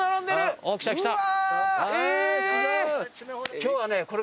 今日はね。